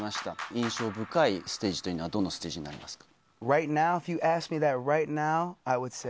印象深いステージというのは、どんなステージになりますか？